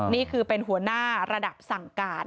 นี่คือเป็นหัวหน้าระดับสั่งการ